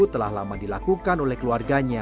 telah lama dilakukan oleh keluarganya